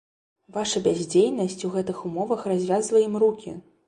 Ваша бяздзейнасць у гэтых умовах развязвае ім рукі.